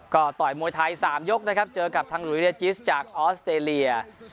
ก็ต่อยมวยไทย๓ยกนะครับเจอกับทางหลุยเรียจิสจากออสเตรเลีย